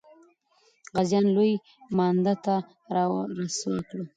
غازیان لوی مانده ته را سوه کړه.